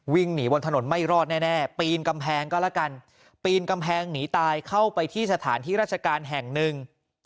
วิ่งหนีบนถนนไม่รอดแน่ปีนกำแพงก็แล้วกันปีนกำแพงหนีตายเข้าไปที่สถานที่ราชการแห่งหนึ่ง